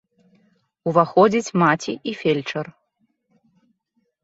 Уваходзіць маці і фельчар.